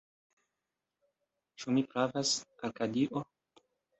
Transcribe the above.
Ĉu mi pravas, Arkadio?